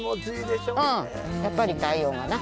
うんやっぱり太陽がな。